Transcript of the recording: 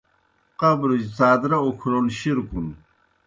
قبرُجیْ څادرہ اُکھلون شِرکُن۔